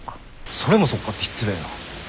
それもそっかって失礼な。